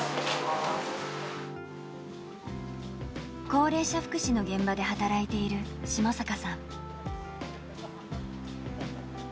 高齢者福祉の現場で働いている下坂さん。